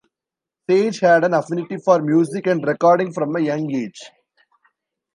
Sage had an affinity for music and recording from a young age.